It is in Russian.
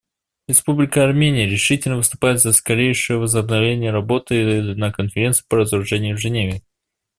Республика Армения решительно выступает за скорейшее возобновление работы на Конференции по разоружению в Женеве.